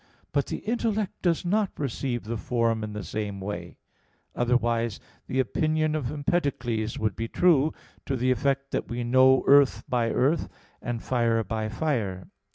But the intellect does not receive the form in the same way; otherwise the opinion of Empedocles (De Anima i, 5, text 26) would be true, to the effect that we know earth by earth, and fire by fire.